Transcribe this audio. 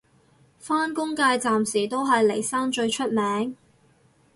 返工界暫時都係嚟生最出名